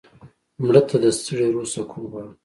مړه ته د ستړي روح سکون غواړو